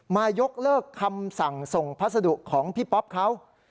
ยกเลิกคำสั่งส่งพัสดุของพี่ป๊อปเขา